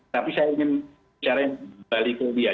tapi saya ingin bicara balik ke dia